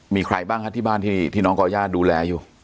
มีใครบ้างครับที่บ้านที่น้องก่อย่าดูแลอยู่